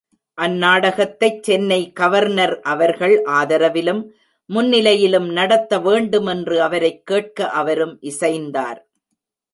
அந்நாடகத்தைச் Chennai governor அவர்கள் ஆதரவிலும் முன்னிலையிலும் நடத்த வேண்டுமென்று அவரைக் கேட்க அவரும் இசைந்தார்.